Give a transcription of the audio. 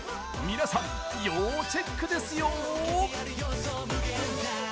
皆さん、要チェックですよ！